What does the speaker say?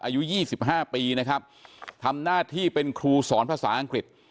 อายุ๒๕ปีนะครับทำหน้าที่เป็นครูสอนภาษาอังกฤษ